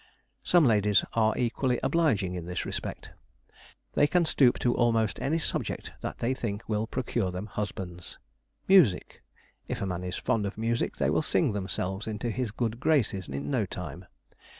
Some ladies are equally obliging in this respect. They can stoop to almost any subject that they think will procure them husbands. Music! if a man is fond of music, they will sing themselves into his good graces in no time.